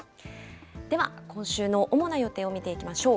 では、今週の主な予定を見ていきましょう。